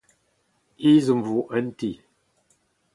Ezhomm vo un ti.